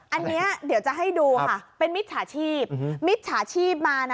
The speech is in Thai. อันนี้เดี๋ยวจะให้ดูค่ะเป็นมิจฉาชีพมิจฉาชีพมานะ